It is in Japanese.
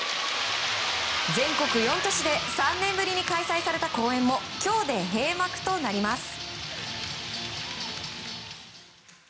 全国４都市で３年ぶりに開催された公演も今日で閉幕となります。